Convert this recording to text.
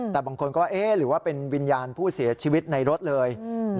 แต่บางคนก็เอ๊ะหรือว่าเป็นวิญญาณผู้เสียชีวิตในรถเลย